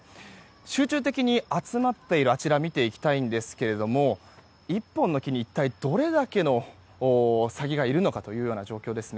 集中的に集まっているあちら見ていきたいんですが１本の木に一体どれだけのサギがいるのかというような状況です。